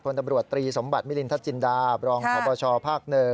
ตำรวจตรีสมบัติมิลินทัศจินดาบรองพบชภาค๑